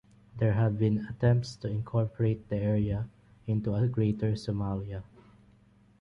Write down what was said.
There have been attempts to incorporate the area into a Greater Somalia.